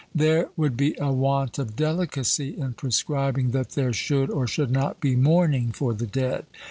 There would be a want of delicacy in prescribing that there should or should not be mourning for the dead.